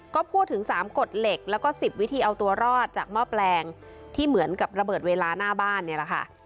ก็พูดถึง๓กฎเหล็กแล้วก็๑๐วิธีเอาตัวรอดจากหม้อแปลงที่เหมือนกับระเบิดเวลาหน้าบ้านเนี่ยแหละค่ะ